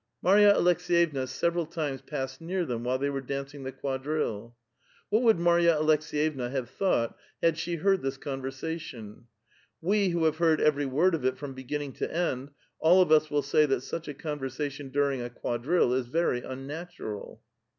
Mai*ya Aleks^yevna several times passed near them while they were dancing the quadrille. What would Marj^a Aleks^yevna have thought had she heard this conversation ? We who have heard every word of it from beginning to end, all of us will say that such a con versation during a quadrille is very unnatural.